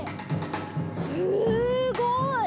すごい！